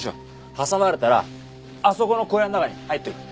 挟まれたらあそこの小屋の中に入っていく。